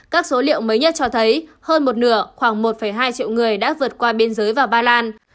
các số liệu mới nhất cho thấy hơn một nửa khoảng một hai triệu người đã vượt qua biên giới vào ba lan